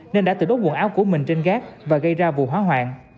nên đã tự đốt quần áo của mình trên gác và gây ra vụ hỏa hoạn